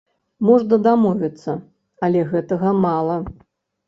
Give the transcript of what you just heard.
Можна дамовіцца, але гэтага мала.